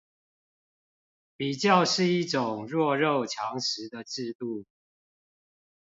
比較是一種弱肉強食的制度